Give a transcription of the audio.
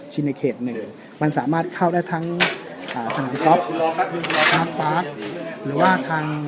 ชินาเขตหนึ่งมันสามารถเข้าได้ทั้งอ่าสนับปรับหรือว่าทาง